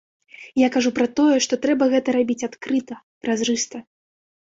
Я кажу пра тое, што трэба гэта рабіць адкрыта, празрыста.